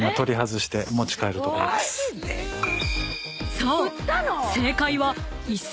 ［そう］